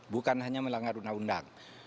bukan hanya melanggar undang undang